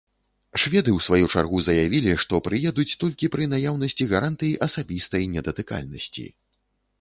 Шведы ў сваю чаргу заявілі, што прыедуць толькі пры наяўнасці гарантый асабістай недатыкальнасці.